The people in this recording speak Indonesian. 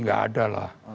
gak ada lah